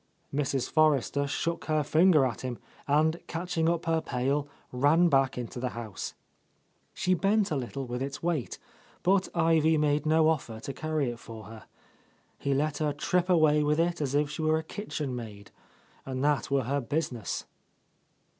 Mrs. Forrester shook her finger at him and, catching up her pail, ran back — 1 19 — A Lost Lady into the house. She bent a little with its weight, but Ivy made no offer to carry it for her. He let her trip away with it as if she were a kitchen maid, and that were her business.